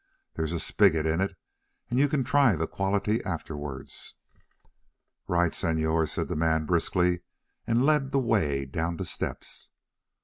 There is a spigot in it, and you can try the quality afterwards." "Right, Senor," said the man briskly, and led the way down the steps.